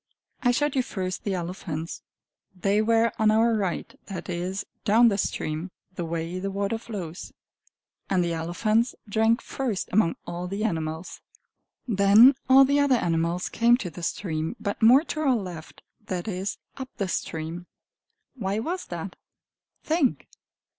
I showed you first the elephants; they were on our right that is, down the stream, the way the water flows. And the elephants drank first among all the animals. Then all the other animals came to the stream, but more to our left that is, up the stream. Why was that? Think!